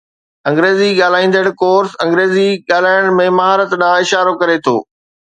انگريزي ڳالهائيندڙ ڪورس انگريزي ڳالهائڻ ۾ مهارت ڏانهن اشارو ڪري ٿو